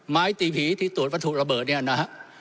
ไม้ตีผีที่ตรวจวัตถุระเบิดเนี่ยนะฮะ